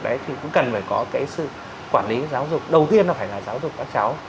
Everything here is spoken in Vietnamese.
rồi có cái sự quản lý giáo dục đầu tiên là phải là giáo dục các cháu